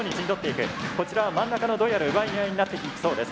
こちらは真ん中のどうやら奪い合いになってきそうです。